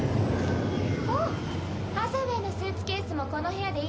あっハサウェイのスーツケースもこの部屋でいいわ。